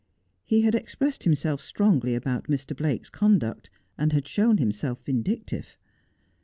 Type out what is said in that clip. He had expressed himself strongly about Mr. Blake's conduct, and had shown himself vindictive.